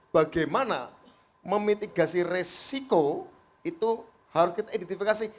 bagaimana memitigasi resiko itu harus kita identifikasi